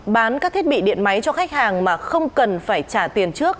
bán các thiết bị điện máy cho khách hàng mà không cần phải trả tiền trước